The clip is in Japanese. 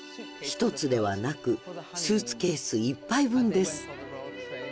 １つではなくスーツケース１杯分です。